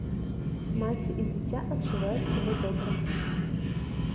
Маці і дзіця адчуваюць сябе добра.